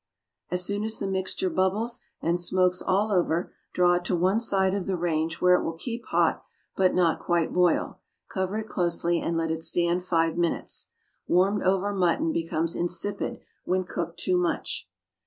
As soon as the mixture bubbles and smokes all over, draw it to one side of the range where it will keep hot, but not quite boil; cover it closely, and let it stand five minutes. Warmed over mutton becomes insipid when cooked too much.